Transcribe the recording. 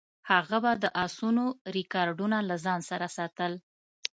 هغه به د اسونو ریکارډونه له ځان سره ساتل.